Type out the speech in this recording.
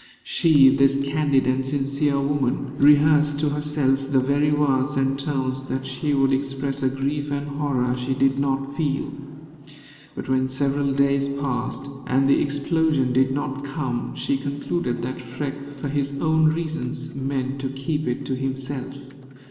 She, this candid and sincere woman, rehearsed to herself the very words and tones that she would express a grief and horror she did not feel. But when several days passed, and the explosion did not come, she concluded that Freke, for his own reasons, meant to keep it to himself.